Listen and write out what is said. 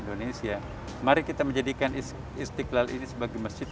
dan beliau menampak dengan pega nya sosial produksi programme bunder